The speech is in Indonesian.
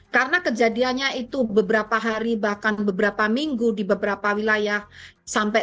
karena kejadiannya itu beberapa hari bahkan beberapa minggu di beberapa wilayah sampai